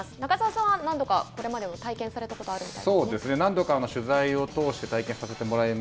中澤さんは何度かこれまで体験された事そうですね